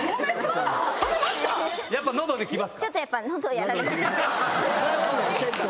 やっぱ喉に来ます？